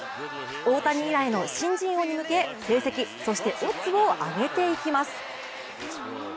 大谷以来の新人王に向け成績、そしてオッズをあげていきます。